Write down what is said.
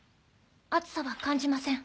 熱さは感じません。